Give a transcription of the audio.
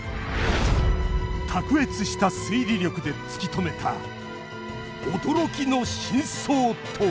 卓越した推理力で突き止めた驚きの真相とは？